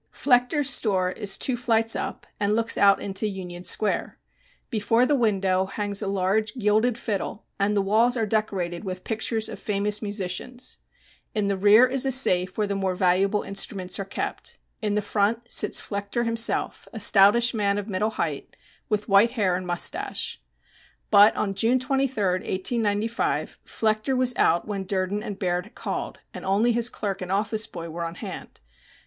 Flechter's store is two flights up and looks out into Union Square. Before the window hangs a large gilded fiddle and the walls are decorated with pictures of famous musicians. In the rear is a safe where the more valuable instruments are kept; in the front sits Flechter himself, a stoutish man of middle height, with white hair and mustache. But on June 23, 1895, Flechter was out when Durden and Baird called, and only his clerk and office boy were on hand.